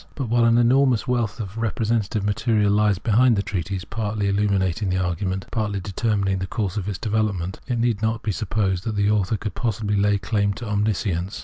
But while an enormous wealth of representative material lies behind the treatise, partly illuminating the argument, partly determining the course of its develop ment, it need not be supposed that the author could possibly lay claim to omniscience.